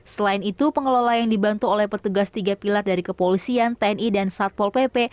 selain itu pengelola yang dibantu oleh petugas tiga pilar dari kepolisian tni dan satpol pp